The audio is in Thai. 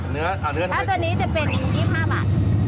อ๋อเนื้อคืออันนี้จะเป็น๒๕บาท